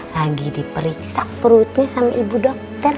lagi diperiksa perutnya sama ibu dokter